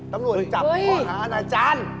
ตำรวจจับขอหาอาจารย์